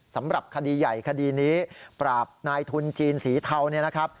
สำหรับคดีใหญ่คดีนี้ปราบนายทุนจีนศรีเถา